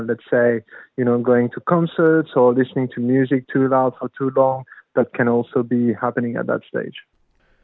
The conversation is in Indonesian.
maksudnya anda pergi ke konsert atau mendengar musik yang terlalu luas atau terlalu lama itu juga bisa terjadi pada saat itu